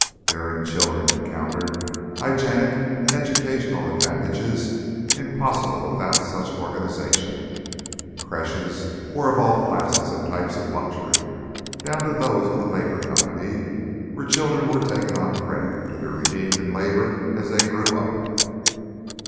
Therein children encountered hygienic and educational advantages impossible without such organisation. Creches were of all classes and types of luxury, down to those of the Labour Company, where children were taken on credit, to be redeemed in labour as they grew up.